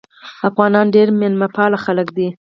افغانان ډېر میلمه پال خلک دي.